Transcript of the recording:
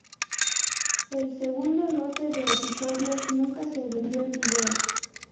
El segundo lote de episodios nunca se vendió en video.